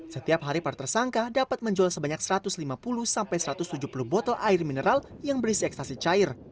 setiap hari para tersangka dapat menjual sebanyak satu ratus lima puluh sampai satu ratus tujuh puluh botol air mineral yang berisi ekstasi cair